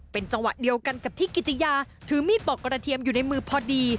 เป็นจังหวะเดียวกันกับที่กิติยาถือมีดปอกกระเทียมอยู่ในมือพอดี